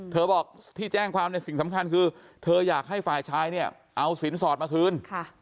บอกที่แจ้งความในสิ่งสำคัญคือเธออยากให้ฝ่ายชายเนี่ยเอาสินสอดมาคืน